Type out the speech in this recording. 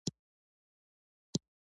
الله يو مهربان ذات دی.